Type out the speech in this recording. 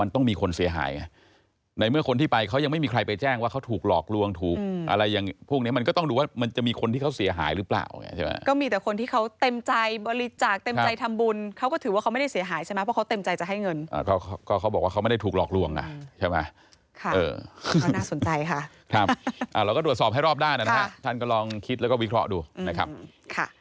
ต้องมีคนเสียหายไงในเมื่อคนที่ไปเขายังไม่มีใครไปแจ้งว่าเขาถูกหลอกลวงถูกอะไรอย่างพวกเนี้ยมันก็ต้องดูว่ามันจะมีคนที่เขาเสียหายหรือเปล่าใช่ไหมก็มีแต่คนที่เขาเต็มใจบริจาคเต็มใจทำบุญเขาก็ถือว่าเขาไม่ได้เสียหายใช่ไหมเพราะเขาเต็มใจจะให้เงินอ่าเขาก็เขาบอกว่าเขาไม่ได้ถูกหลอกลวงอ่ะใช่ไหมค่